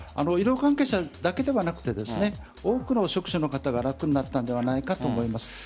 医療関係者だけではなく多くの職種の方が楽になったのではないかと思います。